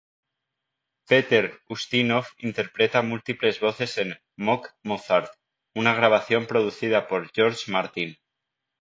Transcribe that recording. Peter Ustinov interpreta múltiples voces en "Mock Mozart", una grabación producida por George Martin.